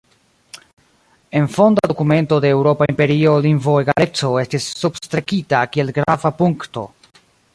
En fonda dokumento de Eŭropa Imperio lingvoegaleco estis substrekita kiel grava punkto.